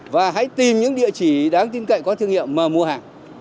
và hãy tìm những địa chỉ đáng tin cậy có thương hiệu mà mua hàng